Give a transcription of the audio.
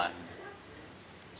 dan menyampaikan himboan